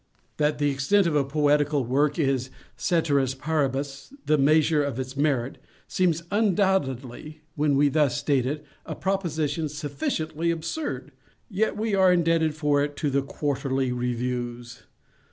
That the extent of a poetical work is, _ceteris paribus, _the measure of its merit, seems undoubtedly, when we thus state it, a proposition sufficiently absurd—yet we are indebted for it to the Quarterly Reviews.